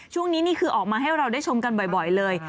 นี่คือออกมาให้เราได้ชมกันบ่อยเลย